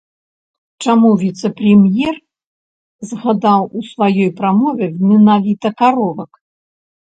Чаму віцэ-прэм'ер згадаў у сваёй прамове менавіта каровак?